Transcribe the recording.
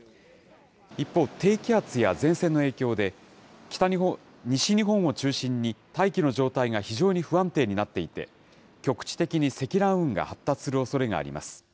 一方、低気圧や前線の影響で、西日本を中心に大気の状態が非常に不安定になっていて、局地的に積乱雲が発達するおそれがあります。